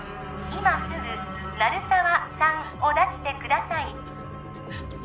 今すぐ鳴沢さんを出してください